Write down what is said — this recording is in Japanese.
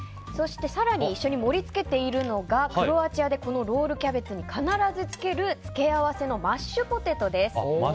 そして、更に一緒に盛り付けているのがクロアチアでこのロールキャベツに必ずつける付け合わせのマッシュポテトです。